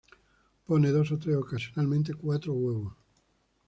Pone dos o tres, ocasionalmente cuatro, huevos.